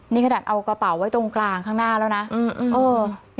นี่ขนาดเอากระเป๋าไว้ตรงกลางข้างหน้าแล้วนะ